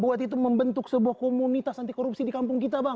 buat itu membentuk sebuah komunitas anti korupsi di kampung kita bang